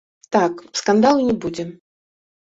Так, скандалу не будзе.